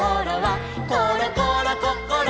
「ころころこころ